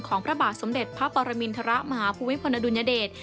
พระบาทสมเด็จพระปรมินทรมาฮภูมิพลอดุลยเดช